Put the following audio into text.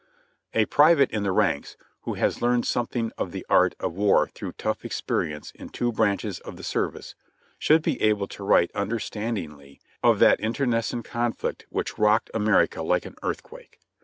A private in the ranks, who has learned something of the art of war through tough experience in two branches of the service, should be able to write understandingly of that internecine conflict which rocked America like an earthquake.